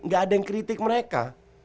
gak ada yang kritik mereka